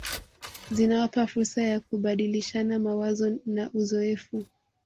Zinawapa fursa ya kubadilishana mawazo na uzoefu